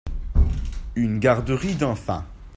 une garderie d'enfants.